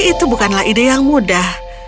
itu bukanlah ide yang mudah